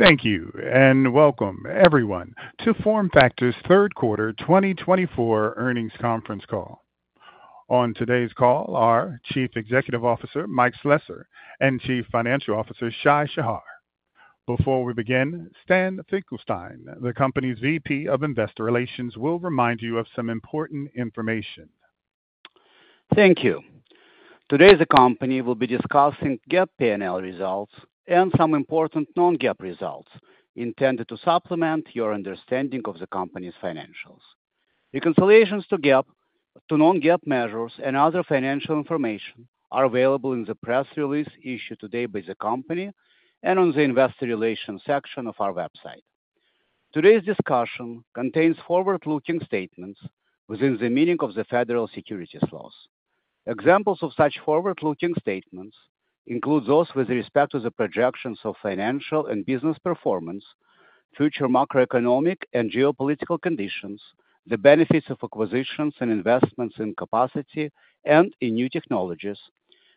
Thank you, and welcome everyone to FormFactor's third quarter 2024 earnings conference call. On today's call are Chief Executive Officer Mike Slessor and Chief Financial Officer Shai Shahar. Before we begin, Stan Finkelstein, the company's VP of Investor Relations, will remind you of some important information. Thank you. Today, the company will be discussing GAAP P&L results and some important non-GAAP results intended to supplement your understanding of the company's financials. Reconciliations to GAAP, to non-GAAP measures, and other financial information are available in the press release issued today by the company and on the Investor Relations section of our website. Today's discussion contains forward-looking statements within the meaning of the federal securities laws. Examples of such forward-looking statements include those with respect to the projections of financial and business performance, future macroeconomic and geopolitical conditions, the benefits of acquisitions and investments in capacity and in new technologies,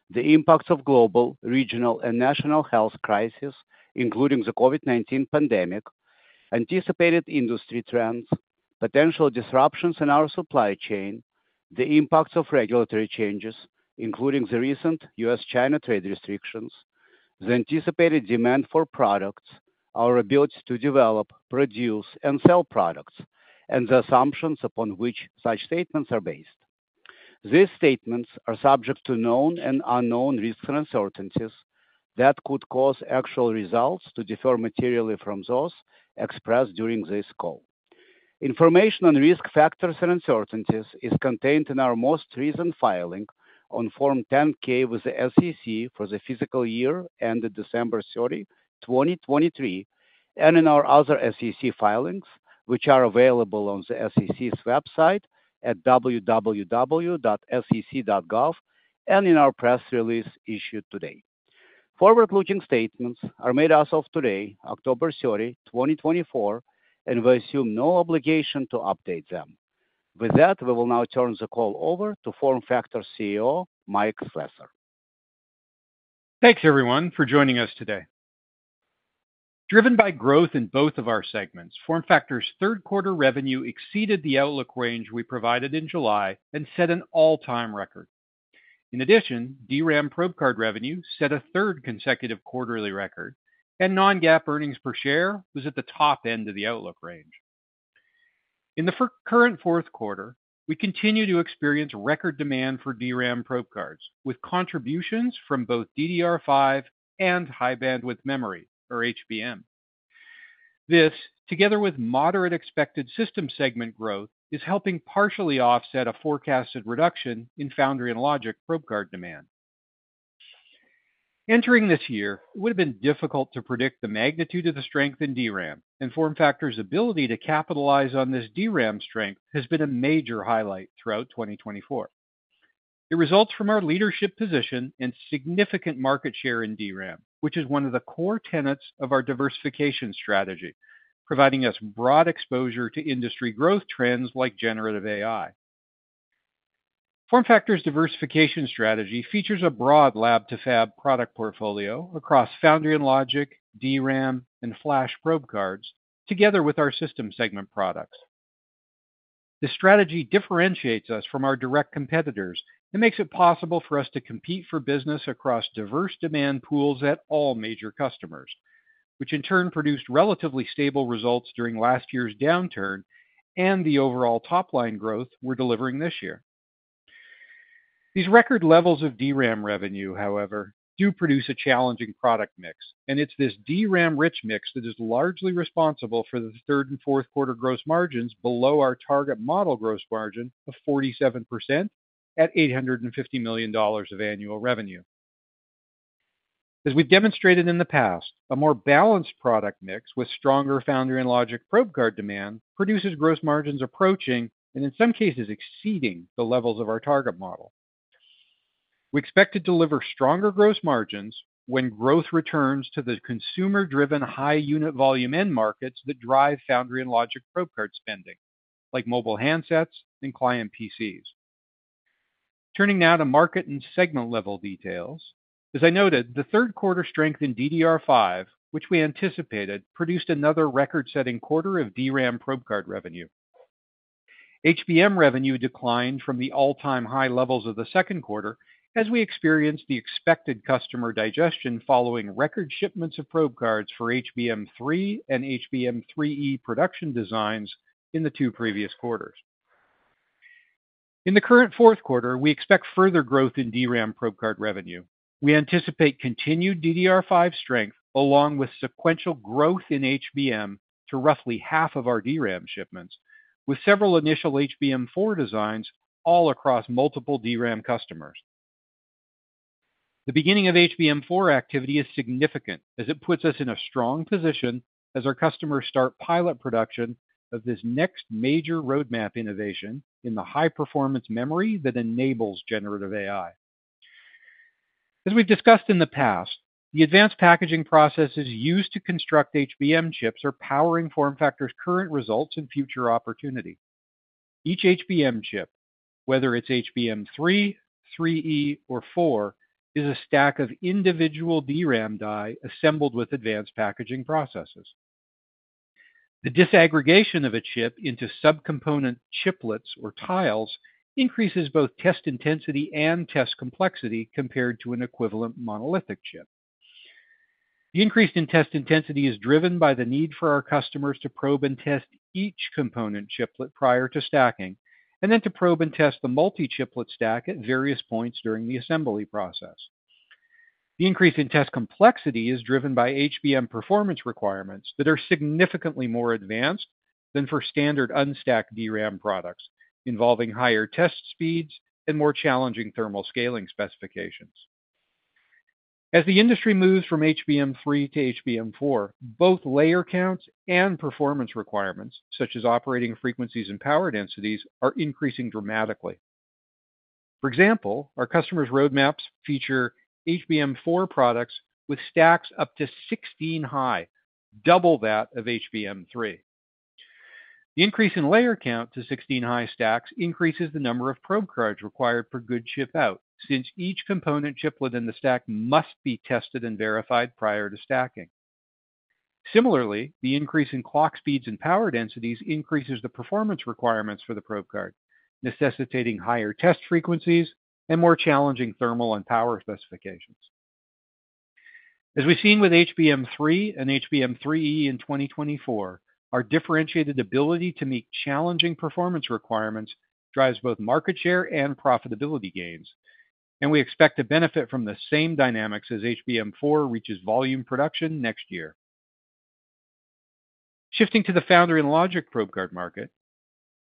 the impacts of global, regional, and national health crises, including the COVID-19 pandemic, anticipated industry trends, potential disruptions in our supply chain, the impacts of regulatory changes, including the recent U.S.-China trade restrictions, the anticipated demand for products, our ability to develop, produce, and sell products, and the assumptions upon which such statements are based. These statements are subject to known and unknown risks and uncertainties that could cause actual results to differ materially from those expressed during this call. Information on risk factors and uncertainties is contained in our most recent filing on Form 10-K with the SEC for the fiscal year ended December 30, 2023, and in our other SEC filings, which are available on the SEC's website at www.sec.gov, and in our press release issued today. Forward-looking statements are made as of today, October 30, 2024, and we assume no obligation to update them. With that, we will now turn the call over to FormFactor CEO Mike Slessor. Thanks, everyone, for joining us today. Driven by growth in both of our segments, FormFactor's third quarter revenue exceeded the outlook range we provided in July and set an all-time record. In addition, DRAM Probe Card revenue set a third consecutive quarterly record, and non-GAAP earnings per share was at the top end of the outlook range. In the current fourth quarter, we continue to experience record demand for DRAM Probe Cards, with contributions from both DDR5 and high-bandwidth memory, or HBM. This, together with moderate expected system segment growth, is helping partially offset a forecasted reduction in Foundry and Logic Probe Card demand. Entering this year, it would have been difficult to predict the magnitude of the strength in DRAM, and FormFactor's ability to capitalize on this DRAM strength has been a major highlight throughout 2024. It results from our leadership position and significant market share in DRAM, which is one of the core tenets of our diversification strategy, providing us broad exposure to industry growth trends like Generative AI. FormFactor's diversification strategy features a broad lab-to-fab product portfolio across Foundry and Logic, DRAM, and Flash Probe Cards, together with our system segment products. The strategy differentiates us from our direct competitors and makes it possible for us to compete for business across diverse demand pools at all major customers, which in turn produced relatively stable results during last year's downturn and the overall top-line growth we're delivering this year. These record levels of DRAM revenue, however, do produce a challenging product mix, and it's this DRAM-rich mix that is largely responsible for the third and fourth quarter gross margins below our target model gross margin of 47% at $850 million of annual revenue. As we've demonstrated in the past, a more balanced product mix with stronger Foundry and Logic Probe Card demand produces gross margins approaching, and in some cases exceeding, the levels of our target model. We expect to deliver stronger gross margins when growth returns to the consumer-driven high unit volume end markets that drive Foundry and Logic Probe Card spending, like mobile handsets and client PCs. Turning now to market and segment-level details, as I noted, the third quarter strength in DDR5, which we anticipated, produced another record-setting quarter of DRAM Probe Card revenue. HBM revenue declined from the all-time high levels of the second quarter as we experienced the expected customer digestion following record shipments of Probe Cards for HBM3 and HBM3E production designs in the two previous quarters. In the current fourth quarter, we expect further growth in DRAM Probe Card revenue. We anticipate continued DDR5 strength along with sequential growth in HBM to roughly half of our DRAM shipments, with several initial HBM4 designs all across multiple DRAM customers. The beginning of HBM4 activity is significant as it puts us in a strong position as our customers start pilot production of this next major roadmap innovation in the high-performance memory that enables generative AI. As we've discussed in the past, the advanced packaging processes used to construct HBM chips are powering FormFactor's current results and future opportunity. Each HBM chip, whether it's HBM3, 3E, or 4, is a stack of individual DRAM die assembled with advanced packaging processes. The disaggregation of a chip into subcomponent chiplets or tiles increases both test intensity and test complexity compared to an equivalent monolithic chip. The increased test intensity is driven by the need for our customers to probe and test each component chiplet prior to stacking, and then to probe and test the multi-chiplet stack at various points during the assembly process. The increase in test complexity is driven by HBM performance requirements that are significantly more advanced than for standard unstacked DRAM products, involving higher test speeds and more challenging thermal scaling specifications. As the industry moves from HBM3 to HBM4, both layer counts and performance requirements, such as operating frequencies and power densities, are increasing dramatically. For example, our customers' roadmaps feature HBM4 products with stacks up to 16 high, double that of HBM3. The increase in layer count to 16 high stacks increases the number of Probe Cards required for Known Good Die, since each component chiplet in the stack must be tested and verified prior to stacking. Similarly, the increase in clock speeds and power densities increases the performance requirements for the Probe Card, necessitating higher test frequencies and more challenging thermal and power specifications. As we've seen with HBM3 and HBM3E in 2024, our differentiated ability to meet challenging performance requirements drives both market share and profitability gains, and we expect to benefit from the same dynamics as HBM4 reaches volume production next year. Shifting to the Foundry and Logic Probe Card market,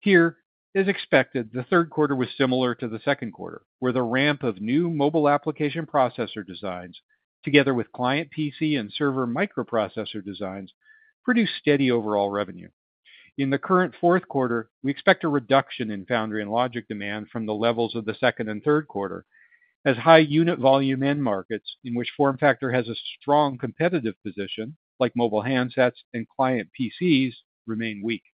here it is expected the third quarter was similar to the second quarter, where the ramp of new mobile application processor designs, together with client PC and server microprocessor designs, produced steady overall revenue. In the current fourth quarter, we expect a reduction in Foundry and Logic demand from the levels of the second and third quarter, as high unit volume end markets in which FormFactor has a strong competitive position, like mobile handsets and client PCs, remain weak.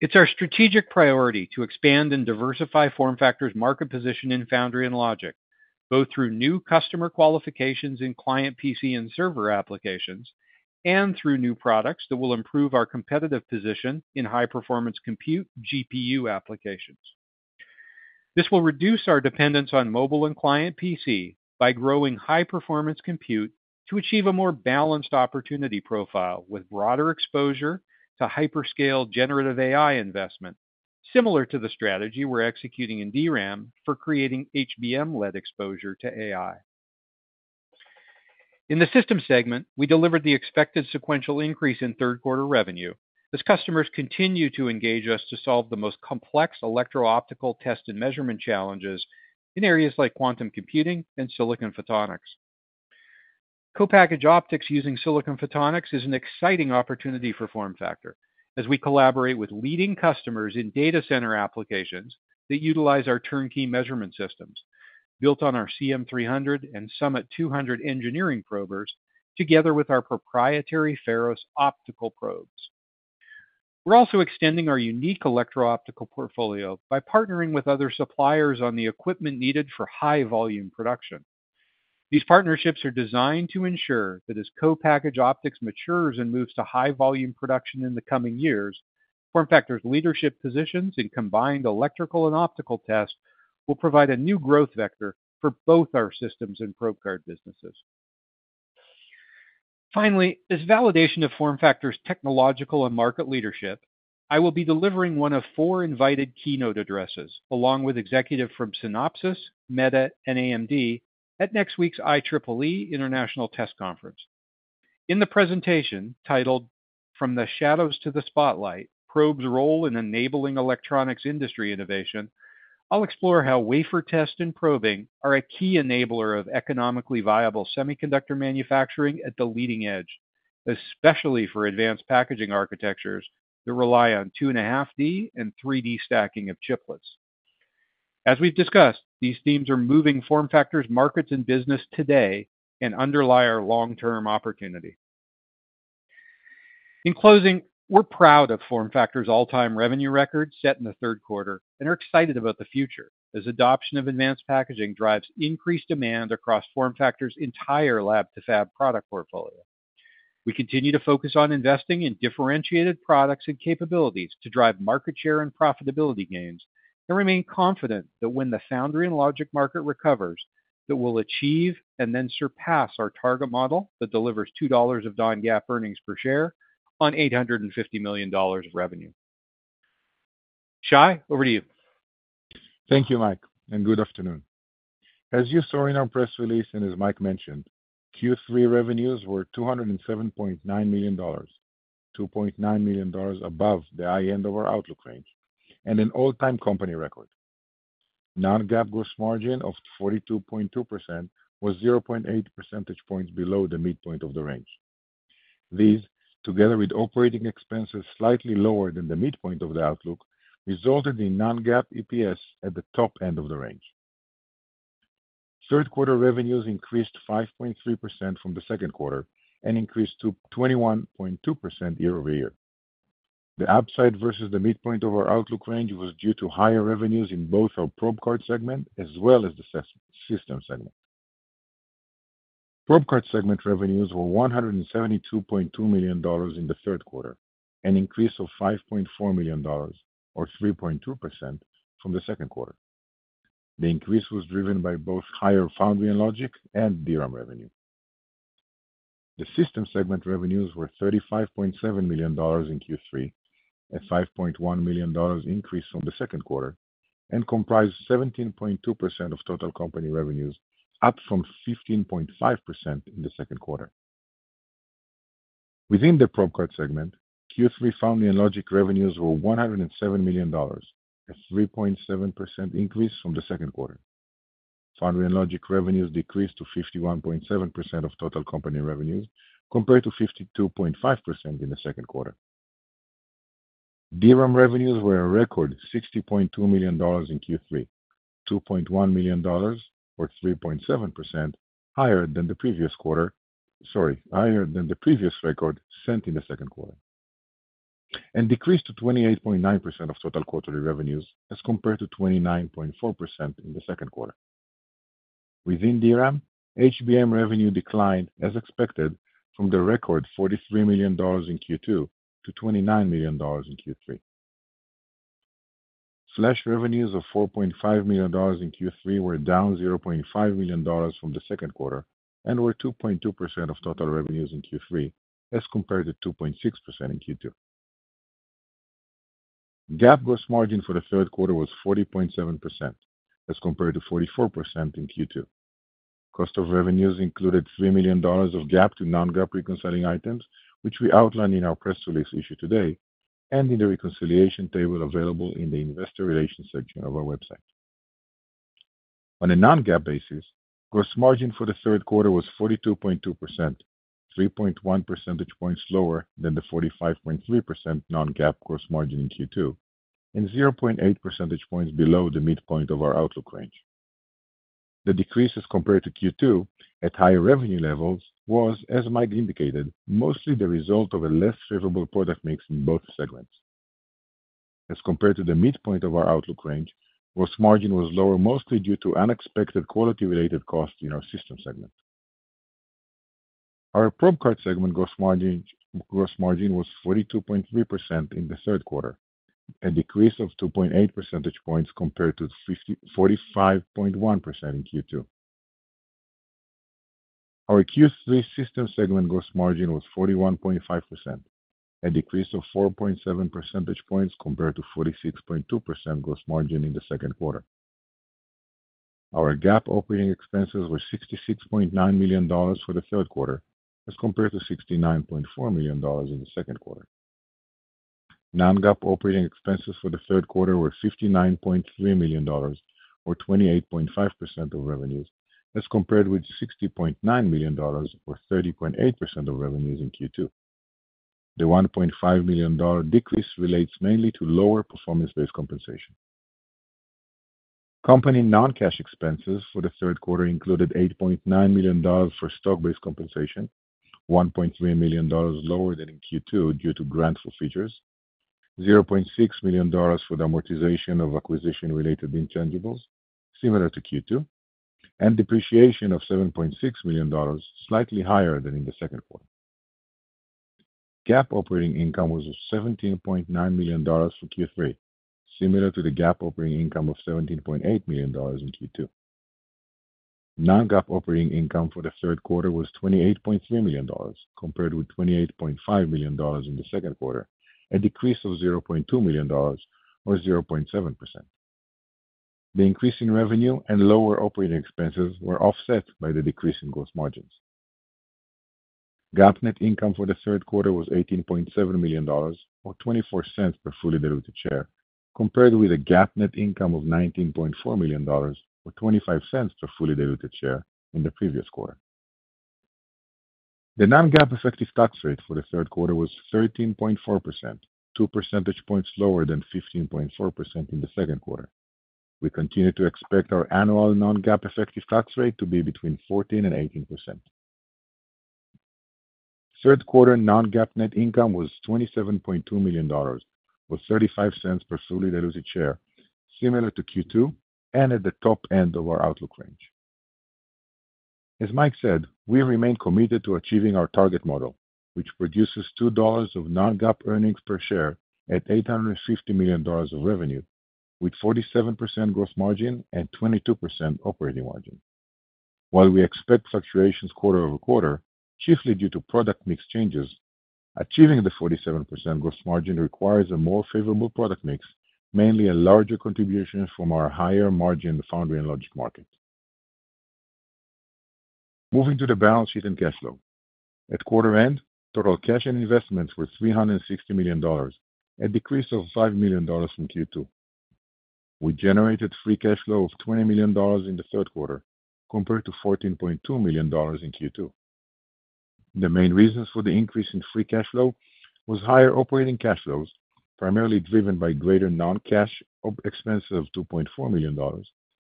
It's our strategic priority to expand and diversify FormFactor's market position in Foundry and Logic, both through new customer qualifications in client PC and server applications and through new products that will improve our competitive position in high-performance compute GPU applications. This will reduce our dependence on mobile and client PC by growing high-performance compute to achieve a more balanced opportunity profile with broader exposure to hyperscale generative AI investment, similar to the strategy we're executing in DRAM for creating HBM-led exposure to AI. In the system segment, we delivered the expected sequential increase in third quarter revenue as customers continue to engage us to solve the most complex electro-optical test and measurement challenges in areas like quantum computing and silicon photonics. Co-packaged optics using silicon photonics is an exciting opportunity for FormFactor, as we collaborate with leading customers in data center applications that utilize our turnkey measurement systems built on our CM300 and Summit 200 engineering probers, together with our proprietary Ferros optical probes. We're also extending our unique electro-optical portfolio by partnering with other suppliers on the equipment needed for high-volume production. These partnerships are designed to ensure that as co-packaged optics matures and moves to high-volume production in the coming years, FormFactor's leadership positions in combined electrical and optical tests will provide a new growth vector for both our systems and Probe Card businesses. Finally, as validation of FormFactor's technological and market leadership, I will be delivering one of four invited keynote addresses, along with executives from Synopsys, Meta, and AMD, at next week's IEEE International Test Conference. In the presentation titled "From the Shadows to the Spotlight: Probes' Role in Enabling Electronics Industry Innovation," I'll explore how wafer test and probing are a key enabler of economically viable semiconductor manufacturing at the leading edge, especially for advanced packaging architectures that rely on 2.5D and 3D stacking of chiplets. As we've discussed, these themes are moving FormFactor's markets and business today and underlie our long-term opportunity. In closing, we're proud of FormFactor's all-time revenue record set in the third quarter and are excited about the future as adoption of advanced packaging drives increased demand across FormFactor's entire lab-to-fab product portfolio. We continue to focus on investing in differentiated products and capabilities to drive market share and profitability gains and remain confident that when the Foundry and Logic market recovers, that we'll achieve and then surpass our target model that delivers $2 of non-GAAP earnings per share on $850 million of revenue. Shai, over to you. Thank you, Mike, and good afternoon. As you saw in our press release and as Mike mentioned, Q3 revenues were $207.9 million, $2.9 million above the high end of our outlook range and an all-time company record. Non-GAAP gross margin of 42.2% was 0.8 percentage points below the midpoint of the range. These, together with operating expenses slightly lower than the midpoint of the outlook, resulted in non-GAAP EPS at the top end of the range. Third quarter revenues increased 5.3% from the second quarter and increased to 21.2% year over year. The upside versus the midpoint of our outlook range was due to higher revenues in both our Probe Card segment as well as the system segment. Probe Card segment revenues were $172.2 million in the third quarter, an increase of $5.4 million, or 3.2%, from the second quarter. The increase was driven by both higher Foundry and Logic and DRAM revenue. The system segment revenues were $35.7 million in Q3, a $5.1 million increase from the second quarter, and comprised 17.2% of total company revenues, up from 15.5% in the second quarter. Within the Probe Card segment, Q3 Foundry and Logic revenues were $107 million, a 3.7% increase from the second quarter. Foundry and Logic revenues decreased to 51.7% of total company revenues, compared to 52.5% in the second quarter. DRAM revenues were a record $60.2 million in Q3, $2.1 million, or 3.7%, higher than the previous quarter, sorry, higher than the previous record set in the second quarter, and decreased to 28.9% of total quarterly revenues as compared to 29.4% in the second quarter. Within DRAM, HBM revenue declined, as expected, from the record $43 million in Q2 to $29 million in Q3. Flash revenues of $4.5 million in Q3 were down $0.5 million from the second quarter and were 2.2% of total revenues in Q3, as compared to 2.6% in Q2. GAAP gross margin for the third quarter was 40.7%, as compared to 44% in Q2. Cost of revenues included $3 million of GAAP to non-GAAP reconciling items, which we outlined in our press release issued today and in the reconciliation table available in the investor relations section of our website. On a non-GAAP basis, gross margin for the third quarter was 42.2%, 3.1 percentage points lower than the 45.3% non-GAAP gross margin in Q2, and 0.8 percentage points below the midpoint of our outlook range. The decrease, as compared to Q2, at higher revenue levels, was, as Mike indicated, mostly the result of a less favorable product mix in both segments. As compared to the midpoint of our outlook range, gross margin was lower mostly due to unexpected quality-related costs in our system segment. Our Probe Card segment gross margin was 42.3% in the third quarter, a decrease of 2.8 percentage points compared to 45.1% in Q2. Our Q3 system segment gross margin was 41.5%, a decrease of 4.7 percentage points compared to 46.2% gross margin in the second quarter. Our GAAP operating expenses were $66.9 million for the third quarter, as compared to $69.4 million in the second quarter. Non-GAAP operating expenses for the third quarter were $59.3 million, or 28.5% of revenues, as compared with $60.9 million, or 30.8% of revenues in Q2. The $1.5 million decrease relates mainly to lower performance-based compensation. Company non-cash expenses for the third quarter included $8.9 million for stock-based compensation, $1.3 million lower than in Q2 due to fewer full-time equivalents, $0.6 million for the amortization of acquisition-related intangibles, similar to Q2, and depreciation of $7.6 million, slightly higher than in the second quarter. GAAP operating income was $17.9 million for Q3, similar to the GAAP operating income of $17.8 million in Q2. Non-GAAP operating income for the third quarter was $28.3 million, compared with $28.5 million in the second quarter, a decrease of $0.2 million, or 0.7%. The increase in revenue and lower operating expenses were offset by the decrease in gross margins. GAAP net income for the third quarter was $18.7 million, or $0.24 per fully diluted share, compared with a GAAP net income of $19.4 million, or $0.25 per fully diluted share, in the previous quarter. The non-GAAP effective tax rate for the third quarter was 13.4%, 2 percentage points lower than 15.4% in the second quarter. We continue to expect our annual non-GAAP effective tax rate to be between 14% and 18%. Third quarter non-GAAP net income was $27.2 million, or $0.35 per fully diluted share, similar to Q2 and at the top end of our outlook range. As Mike said, we remain committed to achieving our target model, which produces $2 of non-GAAP earnings per share at $850 million of revenue, with 47% gross margin and 22% operating margin. While we expect fluctuations quarter over quarter, chiefly due to product mix changes, achieving the 47% gross margin requires a more favorable product mix, mainly a larger contribution from our higher margin Foundry and Logic market. Moving to the balance sheet and cash flow. At quarter end, total cash and investments were $360 million, a decrease of $5 million from Q2. We generated free cash flow of $20 million in the third quarter, compared to $14.2 million in Q2. The main reasons for the increase in free cash flow were higher operating cash flows, primarily driven by greater non-cash expenses of $2.4 million,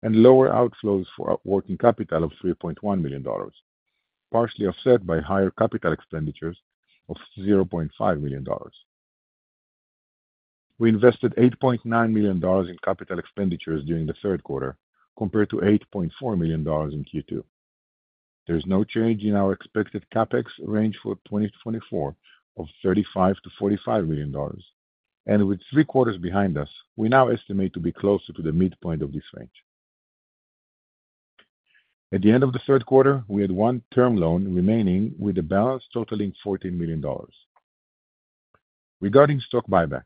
and lower outflows for working capital of $3.1 million, partially offset by higher capital expenditures of $0.5 million. We invested $8.9 million in capital expenditures during the third quarter, compared to $8.4 million in Q2. There is no change in our expected CapEx range for 2024 of $35-$45 million, and with three quarters behind us, we now estimate to be closer to the midpoint of this range. At the end of the third quarter, we had one term loan remaining, with a balance totaling $14 million. Regarding stock buyback,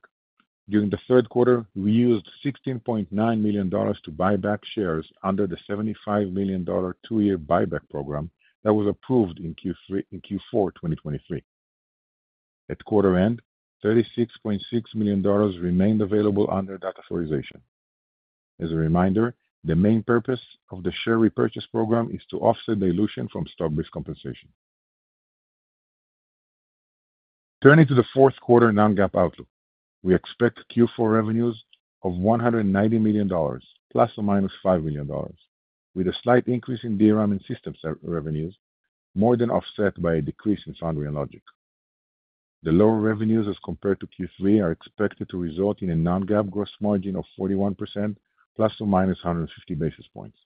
during the third quarter, we used $16.9 million to buy back shares under the $75 million two-year buyback program that was approved in Q4 2023. At quarter end, $36.6 million remained available under that authorization. As a reminder, the main purpose of the share repurchase program is to offset dilution from stock-based compensation. Turning to the fourth quarter non-GAAP outlook, we expect Q4 revenues of $190 million, plus or minus $5 million, with a slight increase in DRAM and system revenues, more than offset by a decrease in Foundry and Logic. The lower revenues, as compared to Q3, are expected to result in a non-GAAP gross margin of 41%, plus or minus 150 basis points.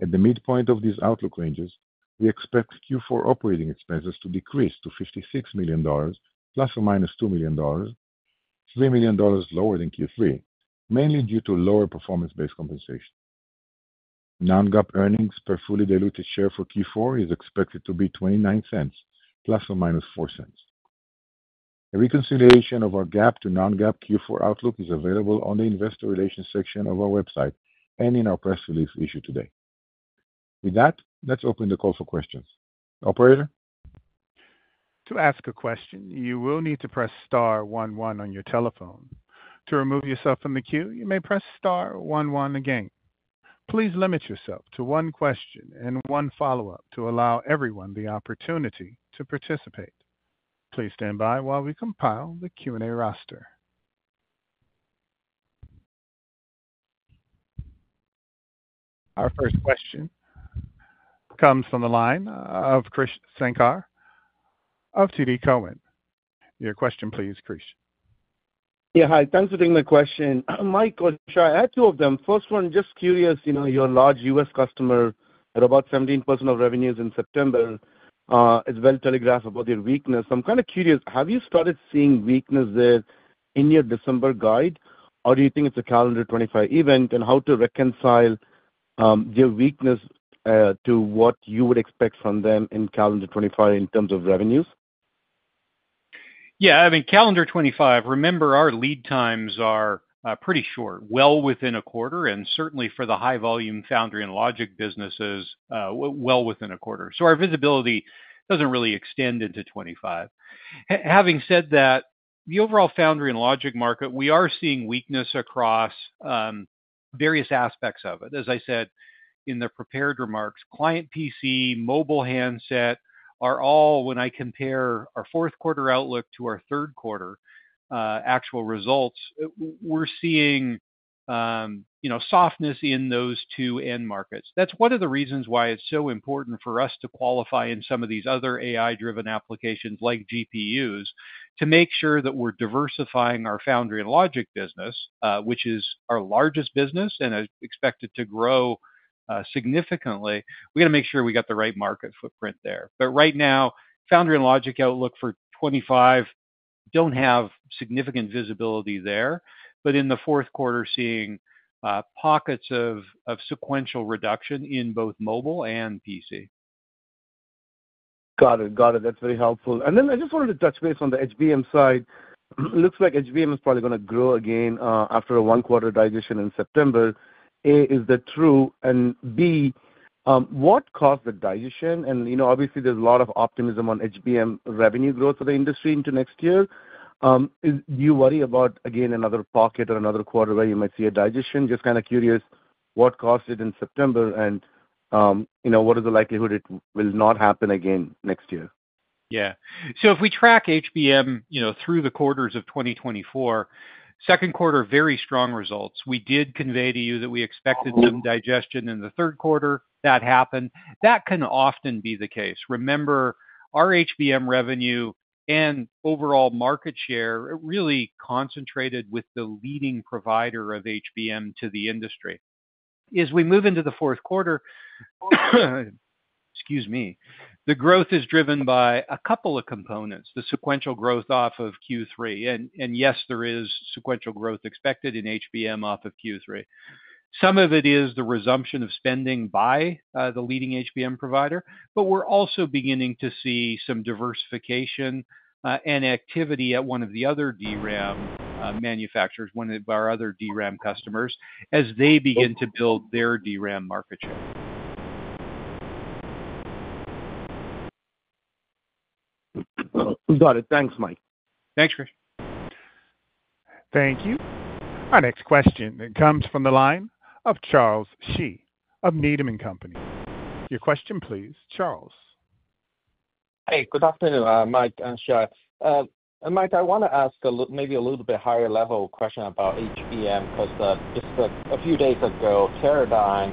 At the midpoint of these outlook ranges, we expect Q4 operating expenses to decrease to $56 million, plus or minus $2 million, $3 million lower than Q3, mainly due to lower performance-based compensation. Non-GAAP earnings per fully diluted share for Q4 is expected to be $0.29, plus or minus $0.04. A reconciliation of our GAAP to non-GAAP Q4 outlook is available on the investor relations section of our website and in our press release issued today. With that, let's open the call for questions. Operator? To ask a question, you will need to press star one-one on your telephone. To remove yourself from the queue, you may press star one-one again. Please limit yourself to one question and one follow-up to allow everyone the opportunity to participate. Please stand by while we compile the Q&A roster. Our first question comes from the line of Krish Sankar of TD Cowen. Your question, please, Krish. Yeah, hi. Thanks for taking my question. Mike or Shai, I have two of them. First one, just curious, you know, you're a large U.S. customer. At about 17% of revenues in September, it's well telegraphed about your weakness. I'm kind of curious, have you started seeing weakness there in your December guide, or do you think it's a calendar 2025 event, and how to reconcile your weakness to what you would expect from them in calendar 2025 in terms of revenues? Yeah, I mean, calendar 2025, remember, our lead times are pretty short, well within a quarter, and certainly for the high-volume Foundry and Logic businesses, well within a quarter. So our visibility doesn't really extend into 2025. Having said that, the overall Foundry and Logic market, we are seeing weakness across various aspects of it. As I said in the prepared remarks, client PC, mobile handset are all, when I compare our fourth quarter outlook to our third quarter actual results, we're seeing, you know, softness in those two end markets. That's one of the reasons why it's so important for us to qualify in some of these other AI-driven applications like GPUs, to make sure that we're diversifying our Foundry and Logic business, which is our largest business and is expected to grow significantly. We got to make sure we got the right market footprint there. But right now, Foundry and Logic outlook for 2025 don't have significant visibility there, but in the fourth quarter, seeing pockets of sequential reduction in both mobile and PC. Got it. Got it. That's very helpful. And then I just wanted to touch base on the HBM side. Looks like HBM is probably going to grow again after a one-quarter digestion in September. A, is that true? And B, what caused the digestion? And, you know, obviously, there's a lot of optimism on HBM revenue growth for the industry into next year. Do you worry about, again, another pocket or another quarter where you might see a digestion? Just kind of curious, what caused it in September, and, you know, what is the likelihood it will not happen again next year? Yeah, so if we track HBM, you know, through the quarters of 2024, second quarter, very strong results. We did convey to you that we expected some digestion in the third quarter. That happened. That can often be the case. Remember, our HBM revenue and overall market share really concentrated with the leading provider of HBM to the industry. As we move into the fourth quarter, excuse me, the growth is driven by a couple of components, the sequential growth off of Q3. And yes, there is sequential growth expected in HBM off of Q3. Some of it is the resumption of spending by the leading HBM provider, but we're also beginning to see some diversification and activity at one of the other DRAM manufacturers, one of our other DRAM customers, as they begin to build their DRAM market share. Got it. Thanks, Mike. Thanks, Krish. Thank you. Our next question comes from the line of Charles Shi of Needham & Company. Your question, please, Charles. Hi. Good afternoon, Mike and Shai. Mike, I want to ask maybe a little bit higher-level question about HBM because just a few days ago, Teradyne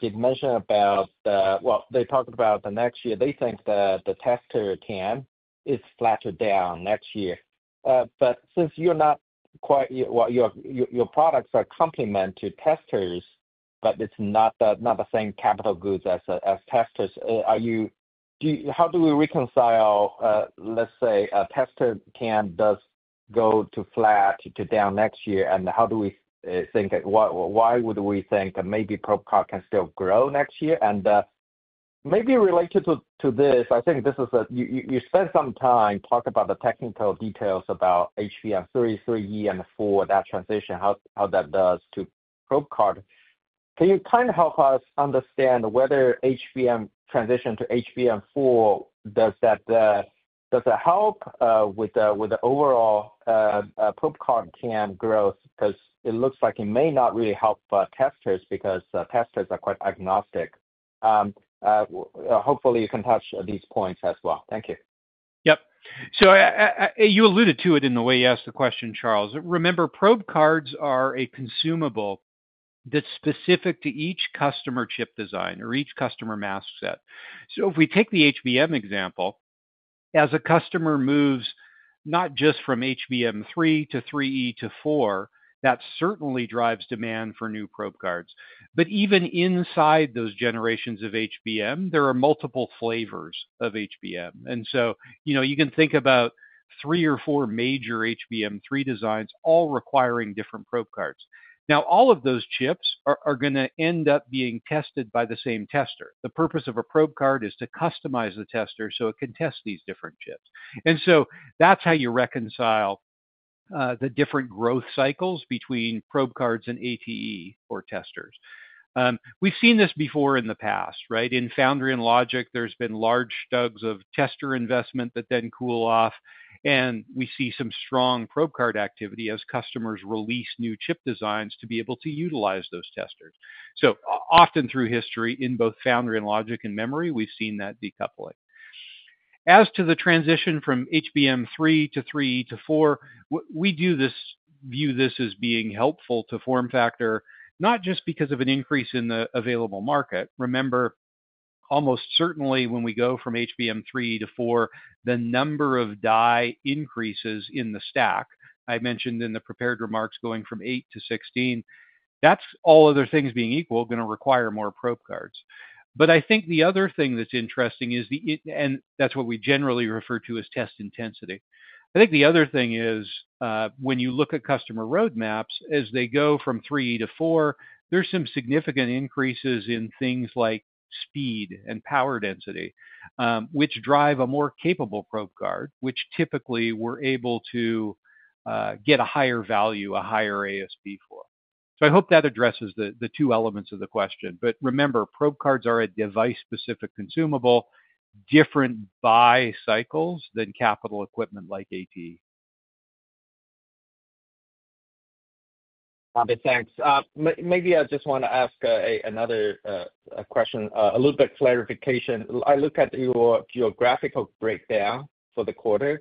did mention about, well, they talked about the next year. They think that the tester capex is flat to down next year. But since you're not quite, your products are complement to testers, but it's not the same capital goods as testers, how do we reconcile, let's say, a tester capex does go to flat to down next year? And how do we think, why would we think maybe probe card can still grow next year? And maybe related to this, I think this is a, you spent some time talking about the technical details about HBM3, 3E, and 4, that transition, how that does to probe card. Can you kind of help us understand whether HBM transition to HBM4 does that help with the overall probe card growth? Because it looks like it may not really help testers because testers are quite agnostic. Hopefully, you can touch these points as well. Thank you. Yep. So you alluded to it in the way you asked the question, Charles. Remember, probe cards are a consumable that's specific to each customer chip design or each customer maskset. So if we take the HBM example, as a customer moves not just from HBM3 to 3E to 4, that certainly drives demand for new probe cards. But even inside those generations of HBM, there are multiple flavors of HBM. And so, you know, you can think about three or four major HBM3 designs all requiring different probe cards. Now, all of those chips are going to end up being tested by the same tester. The purpose of a probe card is to customize the tester so it can test these different chips. And so that's how you reconcile the different growth cycles between probe cards and ATE for testers. We've seen this before in the past, right? In Foundry and Logic, there's been large surges of tester investment that then cool off, and we see some strong probe card activity as customers release new chip designs to be able to utilize those testers. Often through history, in both Foundry and Logic and memory, we've seen that decoupling. As to the transition from HBM3 to HBM3E to HBM4, we do view this as being helpful to FormFactor, not just because of an increase in the available market. Remember, almost certainly when we go from HBM3 to HBM4, the number of die increases in the stack I mentioned in the prepared remarks going from eight to 16, that's all other things being equal, going to require more probe cards. But I think the other thing that's interesting is the, and that's what we generally refer to as test intensity. I think the other thing is when you look at customer roadmaps, as they go from 3E to 4, there's some significant increases in things like speed and power density, which drive a more capable probe card, which typically we're able to get a higher value, a higher ASP for. So I hope that addresses the two elements of the question. But remember, probe cards are a device-specific consumable, different buy cycles than capital equipment like ATE. Shai, thanks. Maybe I just want to ask another question, a little bit clarification. I look at your geographical breakdown for the quarter.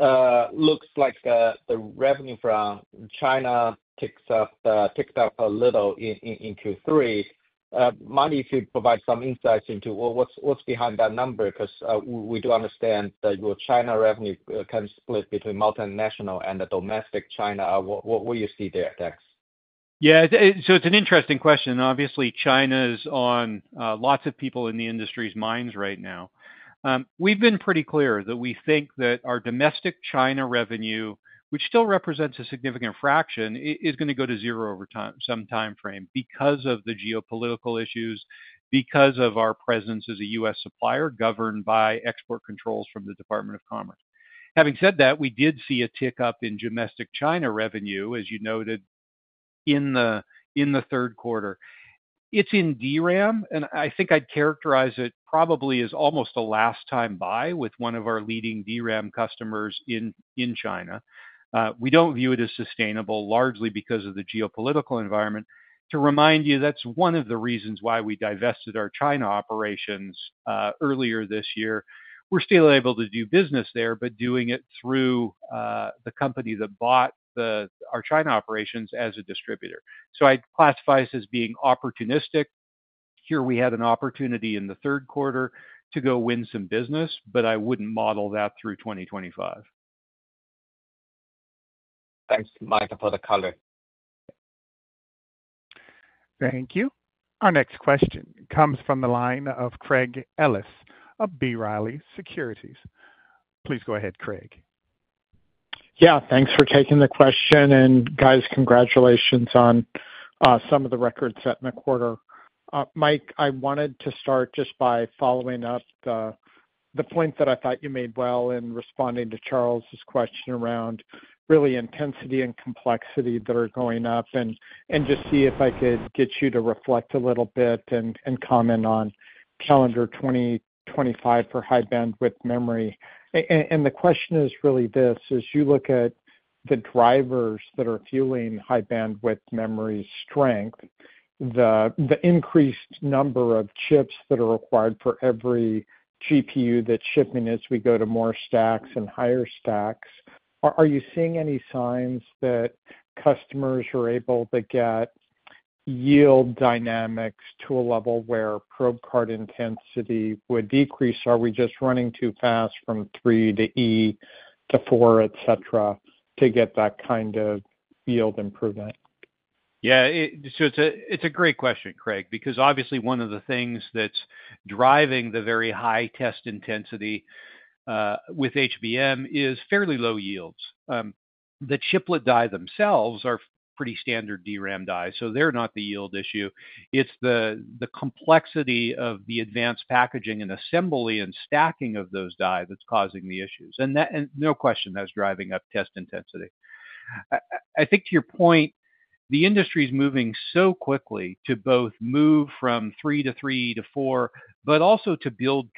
Looks like the revenue from China ticked up a little in Q3. Mind if you provide some insights into what's behind that number? Because we do understand that your China revenue can split between multinational and the domestic China. What do you see there? Thanks. Yeah. So it's an interesting question. Obviously, China is on lots of people in the industry's minds right now. We've been pretty clear that we think that our domestic China revenue, which still represents a significant fraction, is going to go to zero over some time frame because of the geopolitical issues, because of our presence as a U.S. supplier governed by export controls from the Department of Commerce. Having said that, we did see a tick up in domestic China revenue, as you noted, in the third quarter. It's in DRAM, and I think I'd characterize it probably as almost a last-time buy with one of our leading DRAM customers in China. We don't view it as sustainable, largely because of the geopolitical environment. To remind you, that's one of the reasons why we divested our China operations earlier this year. We're still able to do business there, but doing it through the company that bought our China operations as a distributor, so I'd classify us as being opportunistic. Here we had an opportunity in the third quarter to go win some business, but I wouldn't model that through 2025. Thanks, Mike, for the color. Thank you. Our next question comes from the line of Craig Ellis of B. Riley Securities. Please go ahead, Craig. Yeah, thanks for taking the question. And guys, congratulations on some of the records set in the quarter. Mike, I wanted to start just by following up the point that I thought you made well in responding to Charles' question around really intensity and complexity that are going up and just see if I could get you to reflect a little bit and comment on calendar 2025 for high bandwidth memory. And the question is really this: as you look at the drivers that are fueling high bandwidth memory strength, the increased number of chips that are required for every GPU that's shipping as we go to more stacks and higher stacks, are you seeing any signs that customers are able to get yield dynamics to a level where probe card intensity would decrease? Are we just running too fast from 3 to E to 4, et cetera, to get that kind of yield improvement? Yeah. So it's a great question, Craig, because obviously one of the things that's driving the very high test intensity with HBM is fairly low yields. The chiplet die themselves are pretty standard DRAM die, so they're not the yield issue. It's the complexity of the advanced packaging and assembly and stacking of those die that's causing the issues. And no question that's driving up test intensity. I think to your point, the industry is moving so quickly to both move from 3 to 3 to 4, but also to build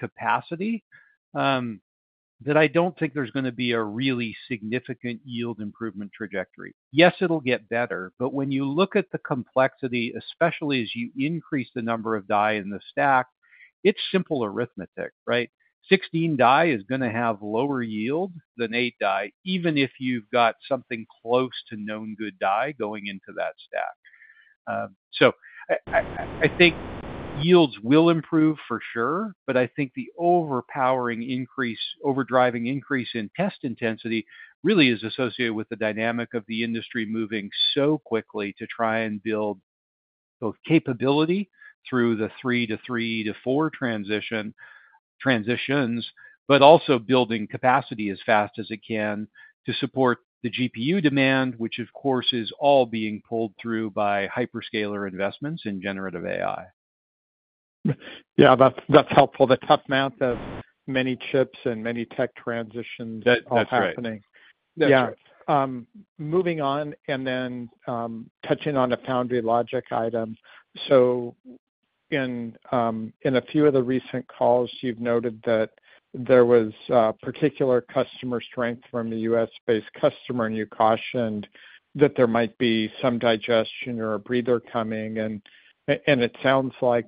capacity that I don't think there's going to be a really significant yield improvement trajectory. Yes, it'll get better, but when you look at the complexity, especially as you increase the number of die in the stack, it's simple arithmetic, right? 16 die is going to have lower yield than 8 die, even if you've got something close to Known Good Die going into that stack. So I think yields will improve for sure, but I think the overpowering increase, overdriving increase in test intensity really is associated with the dynamic of the industry moving so quickly to try and build both capability through the 3 to 3 to 4 transitions, but also building capacity as fast as it can to support the GPU demand, which of course is all being pulled through by hyperscaler investments in Generative AI. Yeah, that's helpful. The tough math of many chips and many tech transitions that's happening. That's right. Yeah. Moving on and then touching on a Foundry Logic item. So in a few of the recent calls, you've noted that there was particular customer strength from the U.S.-based customer, and you cautioned that there might be some digestion or a breather coming. And it sounds like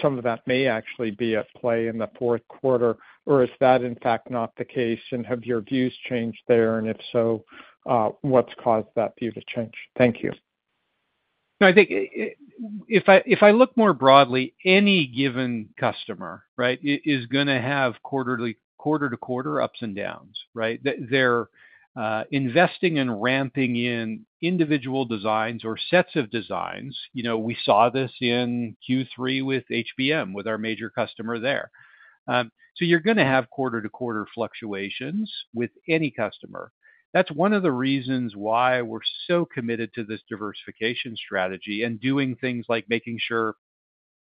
some of that may actually be at play in the fourth quarter, or is that in fact not the case? And have your views changed there? And if so, what's caused that view to change? Thank you. No, I think if I look more broadly, any given customer, right, is going to have quarter to quarter ups and downs, right? They're investing and ramping in individual designs or sets of designs. You know, we saw this in Q3 with HBM, with our major customer there. So you're going to have quarter to quarter fluctuations with any customer. That's one of the reasons why we're so committed to this diversification strategy and doing things like making sure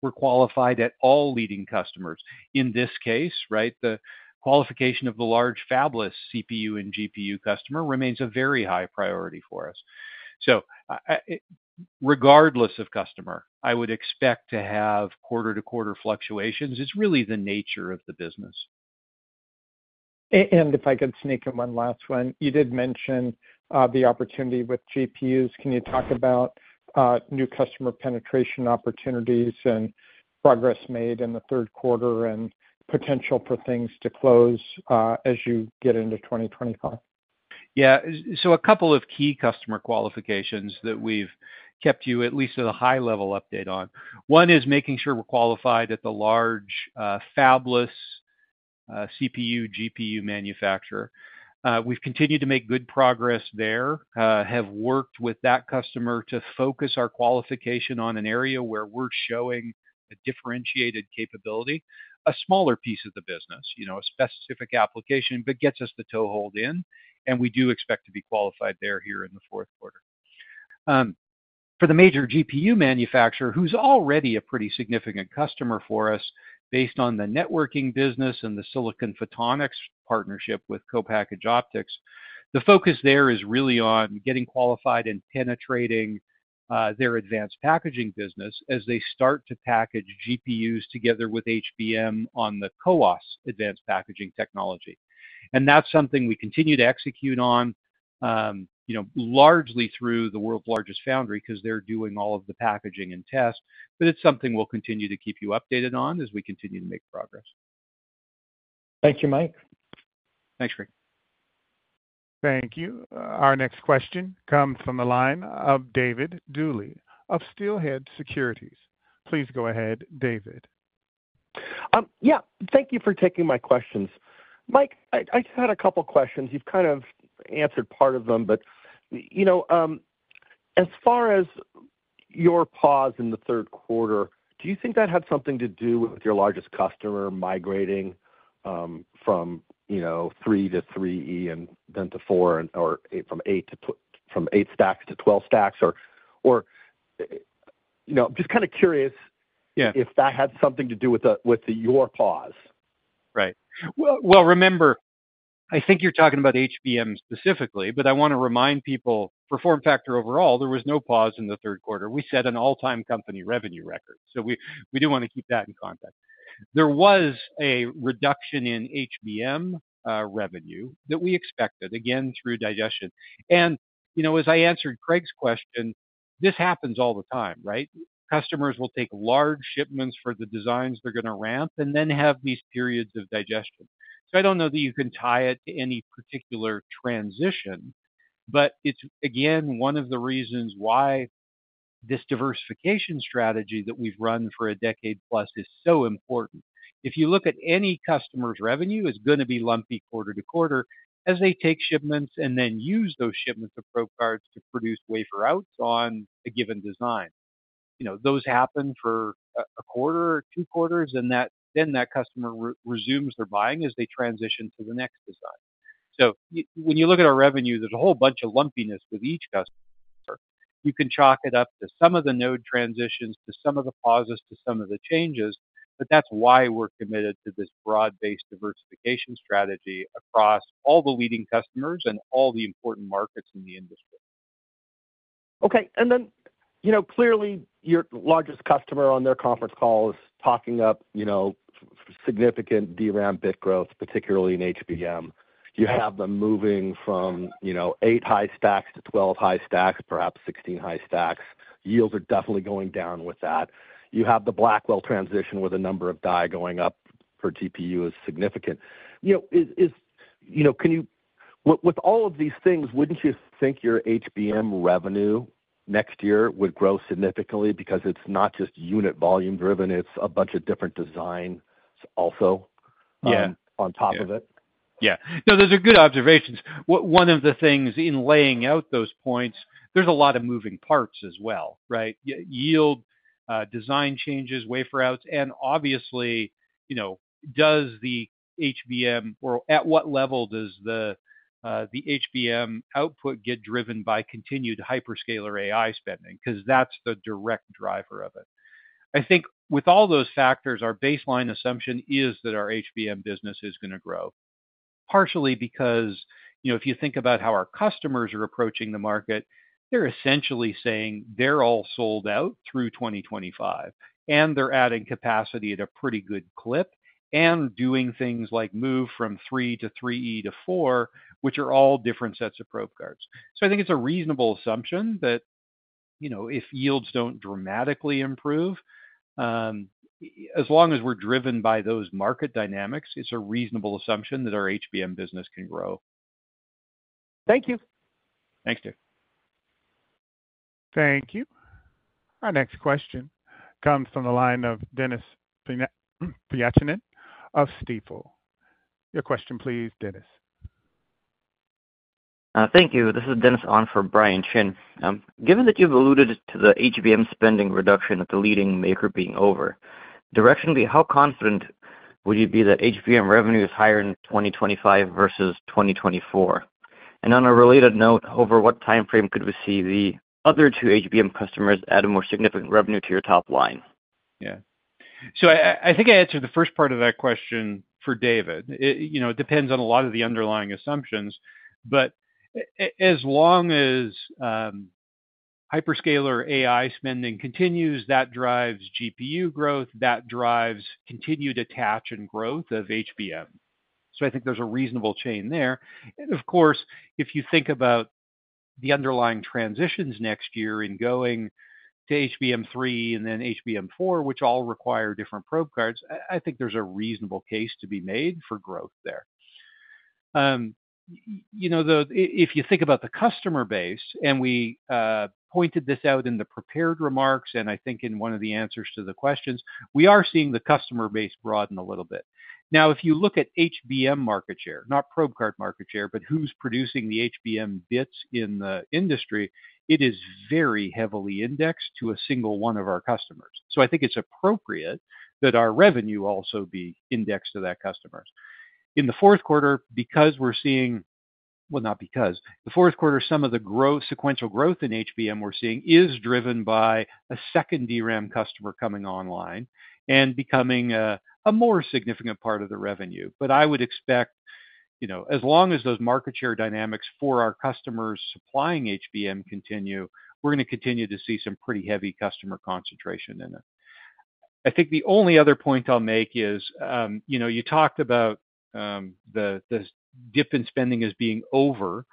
we're qualified at all leading customers. In this case, right, the qualification of the large fabless CPU and GPU customer remains a very high priority for us. So regardless of customer, I would expect to have quarter to quarter fluctuations. It's really the nature of the business. If I could sneak in one last one, you did mention the opportunity with GPUs. Can you talk about new customer penetration opportunities and progress made in the third quarter and potential for things to close as you get into 2025? Yeah. So a couple of key customer qualifications that we've kept you at least at a high-level update on. One is making sure we're qualified at the large fabless CPU, GPU manufacturer. We've continued to make good progress there, have worked with that customer to focus our qualification on an area where we're showing a differentiated capability, a smaller piece of the business, you know, a specific application, but gets us the toe hold in. And we do expect to be qualified there here in the fourth quarter. For the major GPU manufacturer, who's already a pretty significant customer for us based on the networking business and the silicon Photonics partnership with co-packaged optics, the focus there is really on getting qualified and penetrating their advanced packaging business as they start to package GPUs together with HBM on the CoWoS advanced packaging technology. That's something we continue to execute on, you know, largely through the world's largest foundry because they're doing all of the packaging and tests. It's something we'll continue to keep you updated on as we continue to make progress. Thank you, Mike. Thanks, Craig. Thank you. Our next question comes from the line of David Duley of Steelhead Securities. Please go ahead, David. Yeah. Thank you for taking my questions. Mike, I just had a couple of questions. You've kind of answered part of them, but you know, as far as your pause in the third quarter, do you think that had something to do with your largest customer migrating from, you know, 3 to 3E and then to 4 or from 8 stacks to 12 stacks? Or, you know, I'm just kind of curious if that had something to do with your pause. Right. Well, remember, I think you're talking about HBM specifically, but I want to remind people for FormFactor overall, there was no pause in the third quarter. We set an all-time company revenue record. So we do want to keep that in context. There was a reduction in HBM revenue that we expected, again, through digestion. And, you know, as I answered Craig's question, this happens all the time, right? Customers will take large shipments for the designs they're going to ramp and then have these periods of digestion. So I don't know that you can tie it to any particular transition, but it's, again, one of the reasons why this diversification strategy that we've run for a decade plus is so important. If you look at any customer's revenue, it's going to be lumpy quarter to quarter as they take shipments and then use those shipments of probe cards to produce wafer outs on a given design. You know, those happen for a quarter or two quarters, and then that customer resumes their buying as they transition to the next design. So when you look at our revenue, there's a whole bunch of lumpiness with each customer. You can chalk it up to some of the node transitions, to some of the pauses, to some of the changes, but that's why we're committed to this broad-based diversification strategy across all the leading customers and all the important markets in the industry. Okay. And then, you know, clearly your largest customer on their conference call is talking up, you know, significant DRAM bit growth, particularly in HBM. You have them moving from, you know, 8 high stacks to 12 high stacks, perhaps 16 high stacks. Yields are definitely going down with that. You have the Blackwell transition with a number of die going up for GPU is significant. You know, can you, with all of these things, wouldn't you think your HBM revenue next year would grow significantly because it's not just unit volume driven, it's a bunch of different designs also on top of it? Yeah. No, those are good observations. One of the things in laying out those points, there's a lot of moving parts as well, right? Yield, design changes, wafer outs, and obviously, you know, does the HBM, or at what level does the HBM output get driven by continued hyperscaler AI spending? Because that's the direct driver of it. I think with all those factors, our baseline assumption is that our HBM business is going to grow, partially because, you know, if you think about how our customers are approaching the market, they're essentially saying they're all sold out through 2025, and they're adding capacity at a pretty good clip and doing things like move from 3 to 3E to 4, which are all different sets of probe cards. So I think it's a reasonable assumption that, you know, if yields don't dramatically improve, as long as we're driven by those market dynamics, it's a reasonable assumption that our HBM business can grow. Thank you. Thanks, David. Thank you. Our next question comes from the line of Dennis Pyatchanin of Stifel. Your question, please, Dennis. Thank you. This is Dennis on for Brian Chin. Given that you've alluded to the HBM spending reduction at the leading maker being over, directionally, how confident would you be that HBM revenue is higher in 2025 versus 2024, and on a related note, over what timeframe could we see the other two HBM customers add more significant revenue to your top line? Yeah. So I think I answered the first part of that question for David. You know, it depends on a lot of the underlying assumptions, but as long as hyperscaler AI spending continues, that drives GPU growth, that drives continued attach and growth of HBM. So I think there's a reasonable chain there. And of course, if you think about the underlying transitions next year in going to HBM3 and then HBM4, which all require different probe cards, I think there's a reasonable case to be made for growth there. You know, though, if you think about the customer base, and we pointed this out in the prepared remarks, and I think in one of the answers to the questions, we are seeing the customer base broaden a little bit. Now, if you look at HBM market share, not probe card market share, but who's producing the HBM bits in the industry, it is very heavily indexed to a single one of our customers. So I think it's appropriate that our revenue also be indexed to that customer. In the fourth quarter, because we're seeing, well, not because, the fourth quarter, some of the sequential growth in HBM we're seeing is driven by a second DRAM customer coming online and becoming a more significant part of the revenue. But I would expect, you know, as long as those market share dynamics for our customers supplying HBM continue, we're going to continue to see some pretty heavy customer concentration in it. I think the only other point I'll make is, you know, you talked about the dip in spending as being over.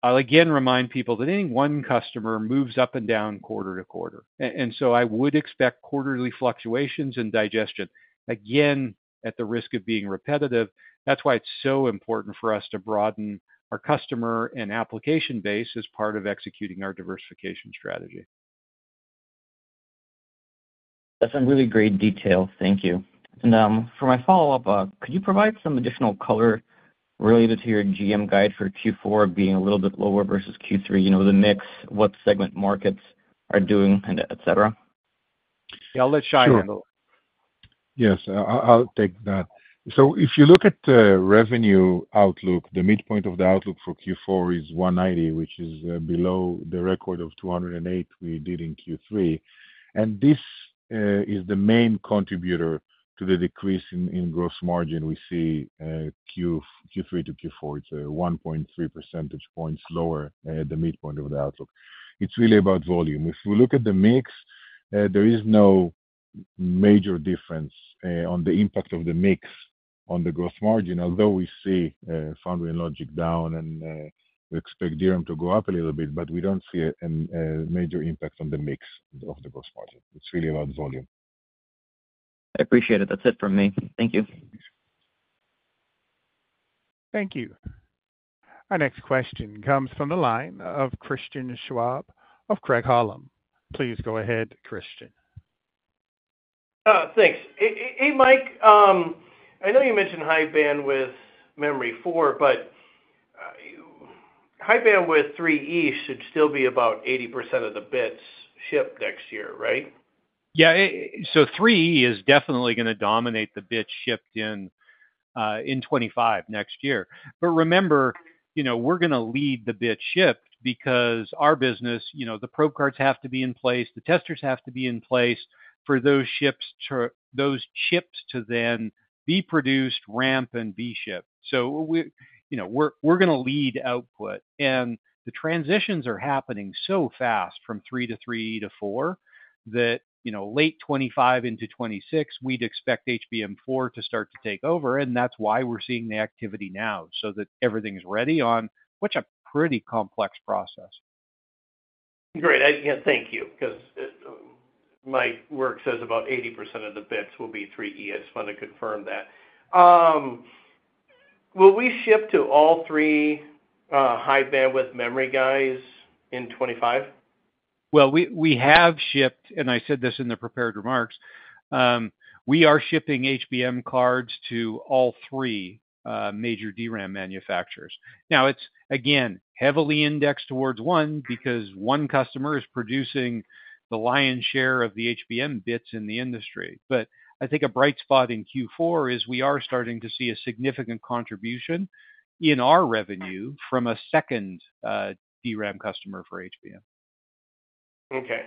I'll again remind people that any one customer moves up and down quarter to quarter. And so I would expect quarterly fluctuations and digestion, again, at the risk of being repetitive. That's why it's so important for us to broaden our customer and application base as part of executing our diversification strategy. That's a really great detail. Thank you, and for my follow-up, could you provide some additional color related to your GM guide for Q4 being a little bit lower versus Q3, you know, the mix, what segment markets are doing, etc.? Yeah, I'll let Shai handle it. Yes, I'll take that. So if you look at the revenue outlook, the midpoint of the outlook for Q4 is 190, which is below the record of 208 we did in Q3, and this is the main contributor to the decrease in gross margin we see Q3 to Q4. It's 1.3 percentage points lower at the midpoint of the outlook. It's really about volume. If we look at the mix, there is no major difference on the impact of the mix on the gross margin, although we see Foundry and Logic down and we expect DRAM to go up a little bit, but we don't see a major impact on the mix of the gross margin. It's really about volume. I appreciate it. That's it from me. Thank you. Thank you. Our next question comes from the line of Christian Schwab of Craig-Hallum. Please go ahead, Christian. Thanks. Hey, Mike, I know you mentioned high bandwidth memory 4, but high bandwidth 3E should still be about 80% of the bits shipped next year, right? Yeah. So 3E is definitely going to dominate the bits shipped in 2025 next year. But remember, you know, we're going to lead the bits shipped because our business, you know, the probe cards have to be in place, the testers have to be in place for those chips to then be produced, ramp, and be shipped. So, you know, we're going to lead output. And the transitions are happening so fast from 3 to 3 to 4 that, you know, late 2025 into 2026, we'd expect HBM4 to start to take over. And that's why we're seeing the activity now so that everything's ready on, which is a pretty complex process. Great. Yeah, thank you. Because my work says about 80% of the bits will be 3E. I just want to confirm that. Will we ship to all three high bandwidth memory guys in 2025? We have shipped, and I said this in the prepared remarks, we are shipping HBM cards to all three major DRAM manufacturers. Now, it's, again, heavily indexed towards one because one customer is producing the lion's share of the HBM bits in the industry. I think a bright spot in Q4 is we are starting to see a significant contribution in our revenue from a second DRAM customer for HBM. Okay.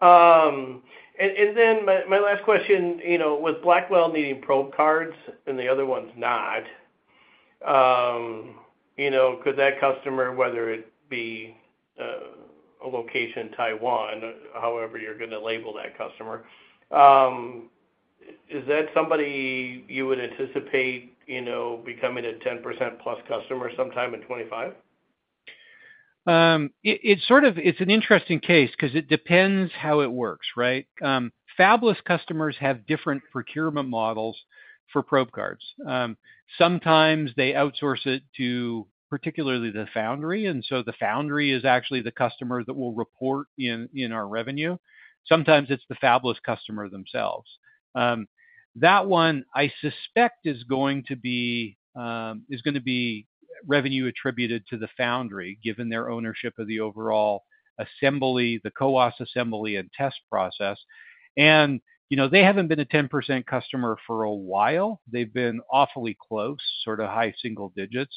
And then my last question, you know, with Blackwell needing probe cards and the other ones not, you know, could that customer, whether it be a location in Taiwan, however you're going to label that customer, is that somebody you would anticipate, you know, becoming a 10% plus customer sometime in 2025? It's sort of, it's an interesting case because it depends how it works, right? Fabless customers have different procurement models for probe cards. Sometimes they outsource it to particularly the foundry, and so the foundry is actually the customer that will report in our revenue. Sometimes it's the fabless customer themselves. That one, I suspect, is going to be revenue attributed to the foundry given their ownership of the overall assembly, the CoWoS assembly and test process. And, you know, they haven't been a 10% customer for a while. They've been awfully close, sort of high single digits.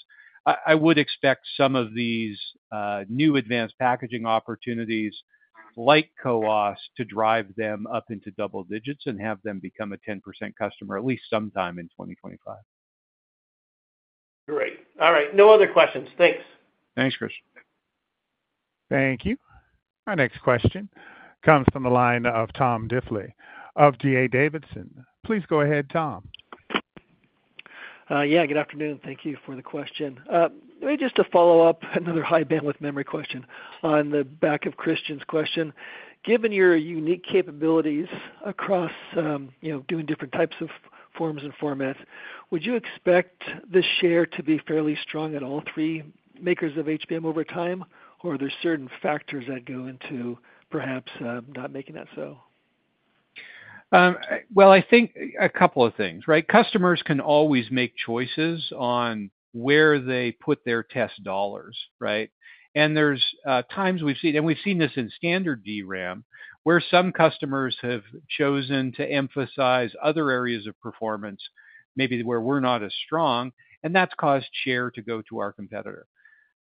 I would expect some of these new advanced packaging opportunities like CoWoS to drive them up into double digits and have them become a 10% customer at least sometime in 2025. Great. All right. No other questions. Thanks. Thanks, Christian. Thank you. Our next question comes from the line of Tom Diffely of D.A. Davidson. Please go ahead, Tom. Yeah, good afternoon. Thank you for the question. Just to follow up, another high bandwidth memory question on the back of Christian's question. Given your unique capabilities across, you know, doing different types of forms and formats, would you expect the share to be fairly strong at all three makers of HBM over time, or are there certain factors that go into perhaps not making that so? I think a couple of things, right? Customers can always make choices on where they put their test dollars, right? And there's times we've seen, and we've seen this in standard DRAM, where some customers have chosen to emphasize other areas of performance, maybe where we're not as strong, and that's caused share to go to our competitor.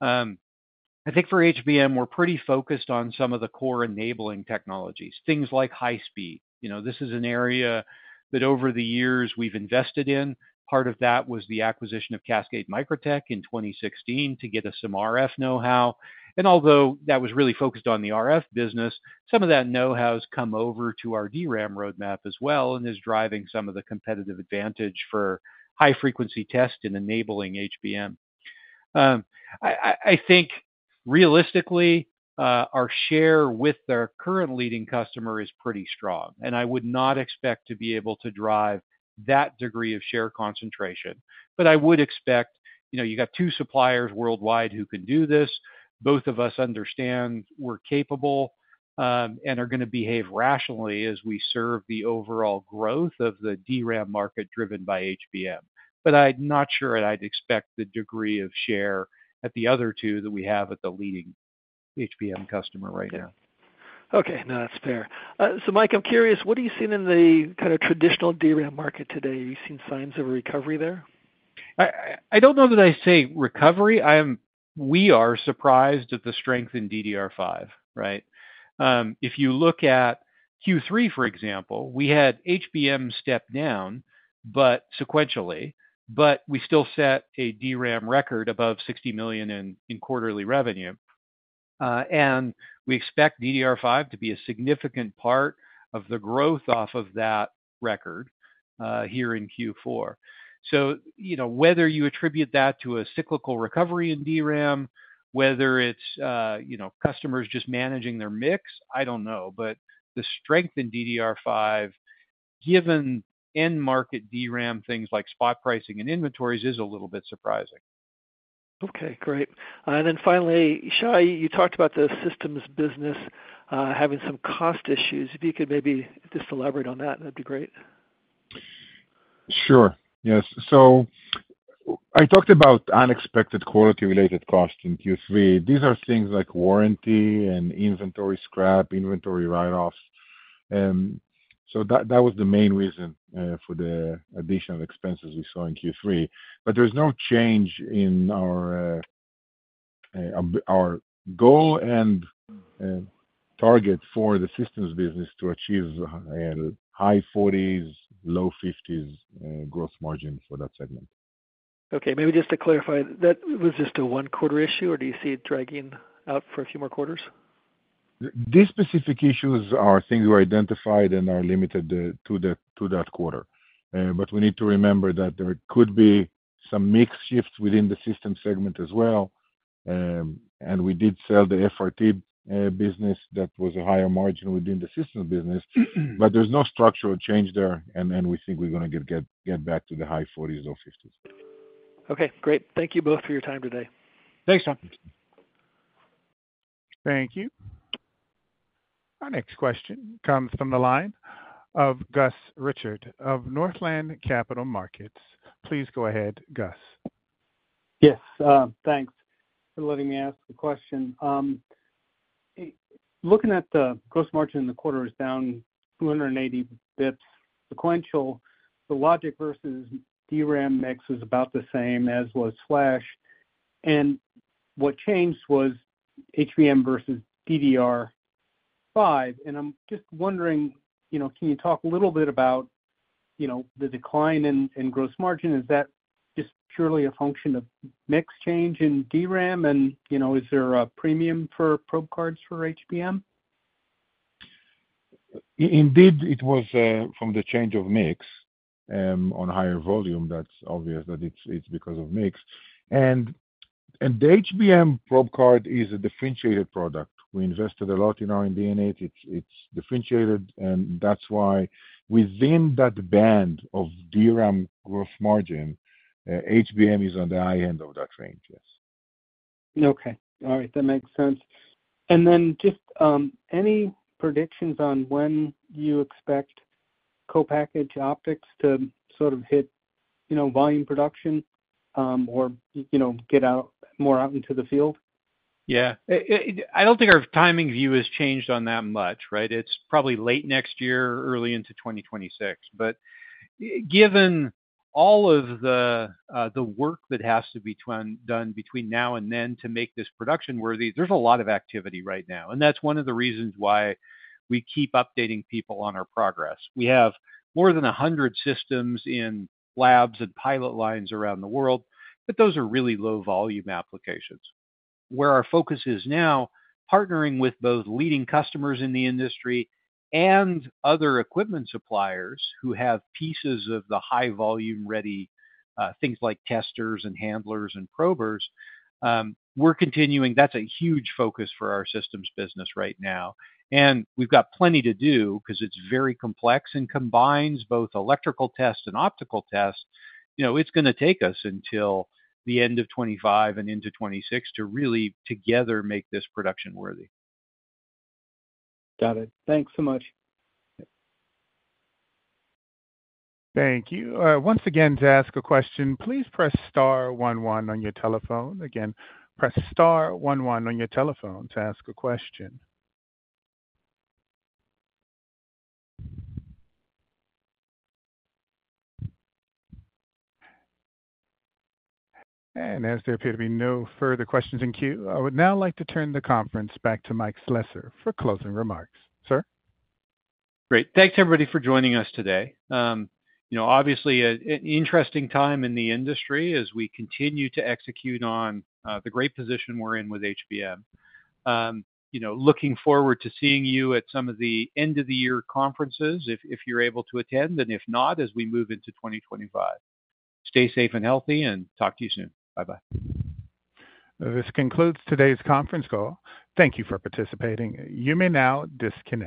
I think for HBM, we're pretty focused on some of the core enabling technologies, things like high speed. You know, this is an area that over the years we've invested in. Part of that was the acquisition of Cascade Microtech in 2016 to get us some RF know-how. And although that was really focused on the RF business, some of that know-how has come over to our DRAM roadmap as well and is driving some of the competitive advantage for high frequency test and enabling HBM. I think realistically, our share with our current leading customer is pretty strong, and I would not expect to be able to drive that degree of share concentration. But I would expect, you know, you got two suppliers worldwide who can do this. Both of us understand we're capable and are going to behave rationally as we serve the overall growth of the DRAM market driven by HBM. But I'm not sure I'd expect the degree of share at the other two that we have at the leading HBM customer right now. Okay. No, that's fair. So, Mike, I'm curious, what are you seeing in the kind of traditional DRAM market today? Are you seeing signs of a recovery there? I don't know that I say recovery. We are surprised at the strength in DDR5, right? If you look at Q3, for example, we had HBM step down, but sequentially, but we still set a DRAM record above $60 million in quarterly revenue. And we expect DDR5 to be a significant part of the growth off of that record here in Q4. So, you know, whether you attribute that to a cyclical recovery in DRAM, whether it's, you know, customers just managing their mix, I don't know, but the strength in DDR5, given end market DRAM, things like spot pricing and inventories is a little bit surprising. Okay. Great. And then finally, Shai, you talked about the systems business having some cost issues. If you could maybe just elaborate on that, that'd be great. Sure. Yes. So I talked about unexpected quality-related costs in Q3. These are things like warranty and inventory scrap, inventory write-offs. And so that was the main reason for the additional expenses we saw in Q3. But there's no change in our goal and target for the systems business to achieve high 40s, low 50s gross margin for that segment. Okay. Maybe just to clarify, that was just a one-quarter issue, or do you see it dragging out for a few more quarters? These specific issues are things we identified and are limited to that quarter. But we need to remember that there could be some mix shifts within the system segment as well. And we did sell the FRT business that was a higher margin within the systems business, but there's no structural change there, and we think we're going to get back to the high 40s or 50s. Okay. Great. Thank you both for your time today. Thanks, Tom. Thank you. Our next question comes from the line of Gus Richard of Northland Capital Markets. Please go ahead, Gus. Yes. Thanks for letting me ask the question. Looking at the gross margin in the quarter is down 280 basis points sequential. The logic versus DRAM mix is about the same as was Flash. And what changed was HBM versus DDR5. And I'm just wondering, you know, can you talk a little bit about, you know, the decline in gross margin? Is that just purely a function of mix change in DRAM? And, you know, is there a premium for probe cards for HBM? Indeed, it was from the change of mix on higher volume. That's obvious that it's because of mix. And the HBM probe card is a differentiated product. We invested a lot in our DNA. It's differentiated, and that's why within that band of DRAM gross margin, HBM is on the high end of that range, yes. Okay. All right. That makes sense. And then just any predictions on when you expect Co-Packaged Optics to sort of hit, you know, volume production or, you know, get out more out into the field? Yeah. I don't think our timing view has changed on that much, right? It's probably late next year, early into 2026. But given all of the work that has to be done between now and then to make this production worthy, there's a lot of activity right now. And that's one of the reasons why we keep updating people on our progress. We have more than 100 systems in labs and pilot lines around the world, but those are really low volume applications. Where our focus is now, partnering with both leading customers in the industry and other equipment suppliers who have pieces of the high volume ready, things like testers and handlers and probers, we're continuing. That's a huge focus for our systems business right now. And we've got plenty to do because it's very complex and combines both electrical tests and optical tests. You know, it's going to take us until the end of 2025 and into 2026 to really together make this production worthy. Got it. Thanks so much. Thank you. Once again, to ask a question, please press star one-one on your telephone. Again, press star one-one on your telephone to ask a question. And as there appear to be no further questions in queue, I would now like to turn the conference back to Mike Slessor for closing remarks. Sir. Great. Thanks, everybody, for joining us today. You know, obviously, an interesting time in the industry as we continue to execute on the great position we're in with HBM. You know, looking forward to seeing you at some of the end-of-the-year conferences if you're able to attend, and if not, as we move into 2025. Stay safe and healthy, and talk to you soon. Bye-bye. This concludes today's conference call. Thank you for participating. You may now disconnect.